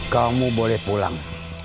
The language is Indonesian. kamu boleh pulang